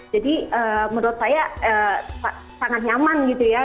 jadi menurut saya sangat nyaman gitu ya